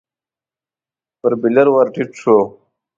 پر بېلر ور ټيټ شو.